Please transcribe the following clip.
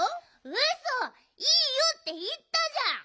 うそ「いいよ」っていったじゃん！